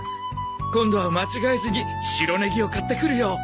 今度は間違えずに白ネギを買ってくるよ。